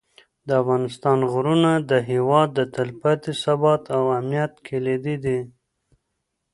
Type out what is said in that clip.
د افغانستان غرونه د هېواد د تلپاتې ثبات او امنیت کلیدي دي.